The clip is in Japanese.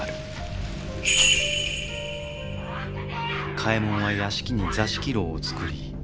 嘉右衛門は屋敷に座敷牢を作り